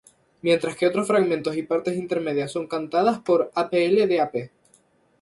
Mientras que otros fragmentos y partes intermedias son cantadas por apl.de.ap.